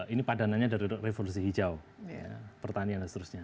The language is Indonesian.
ini padanannya dari revolusi hijau pertanian dan seterusnya